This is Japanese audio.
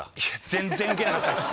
全然ウケなかったです